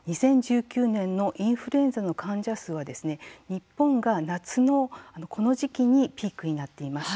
２０１９年のインフルエンザの患者数はですね日本が夏のこの時期にピークになっています。